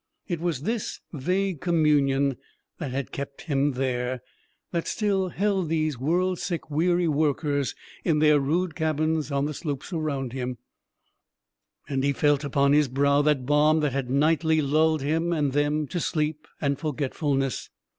It was this vague communion that had kept him there, that still held these world sick, weary workers in their rude cabins on the slopes around him; and he felt upon his brow that balm that had nightly lulled him and them to sleep and forgetfulness.